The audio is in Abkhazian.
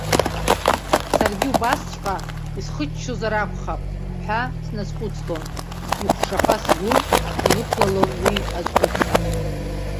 Саргьы убасҵәҟьа исхыччозар акәхап ҳәа сназхәыцлон, ихәшаха сгәы инықәлалон уи азхәыцра.